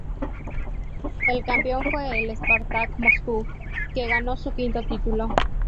El campeón fue el Spartak Moscú, que ganó su quinto título.